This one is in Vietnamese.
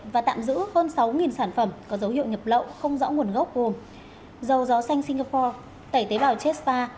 và tạm giữ hơn sáu sản phẩm có dấu hiệu nhập lậu không rõ nguồn gốc gồm dầu gió xanh singapore tẩy tế bào jespa